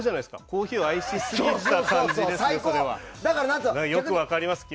コーヒーを愛しすぎた感じですね